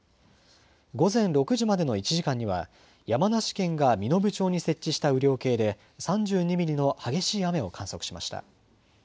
午前６時までの１時間には、山梨県が身延町に設置した雨量計で３２ミリの激しい雨を観測しました。